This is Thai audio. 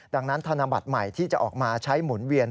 ดังนั้นธนบัตรใหม่ที่จะออกมาใช้หมุนเวียน